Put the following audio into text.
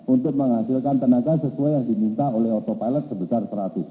untuk menghasilkan tenaga sesuai yang diminta oleh autopilot sebesar seratus